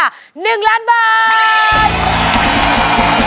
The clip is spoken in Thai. ไปเลยค่ะ๑ล้านบาท